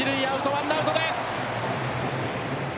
ワンアウトです。